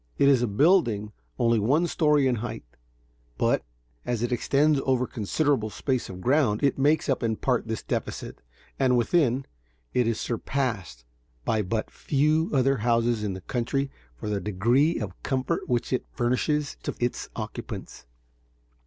It is a building only one story in height; but, as it extends over a considerable space of ground, it makes up in part this defect, and within, it is surpassed by but few other houses in the country for the degree of comfort which is furnishes to its occupants.